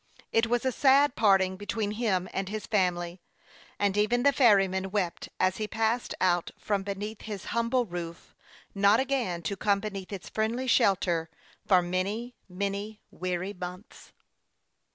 It was a sad parting between him and his family, and even the ferryman wept as he passed out from beneath his humble roof, not again to come beneath its friendly shelter for many, many weary months.